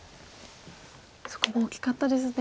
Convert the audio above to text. そこも大きかったですね。